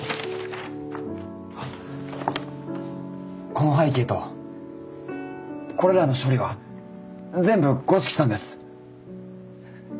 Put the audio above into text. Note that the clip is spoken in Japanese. この背景とこれらの処理は全部五色さんです。